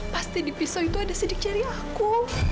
pasti di pisau itu ada sidik jari aku